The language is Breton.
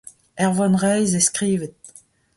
Er vonreizh eo skrivet.